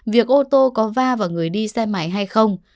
việc ô tô có va vào người đi xe máy hay không